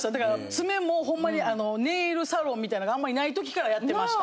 爪もほんまにネイルサロンみたいなんがあんまりない時からやってました。